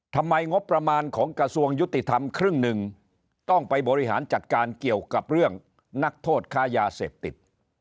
ทำไมงบประมาณของกระทรวงยุติธรรมครึ่งหนึ่งต้องไปบริหารจัดการเกี่ยวกับเรื่องนักโทษค้ายาเสพติด